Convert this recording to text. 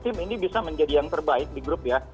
tim ini bisa menjadi yang terbaik di grup ya